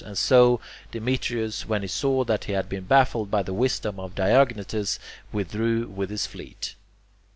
And so Demetrius, when he saw that he had been baffled by the wisdom of Diognetus, withdrew with his fleet.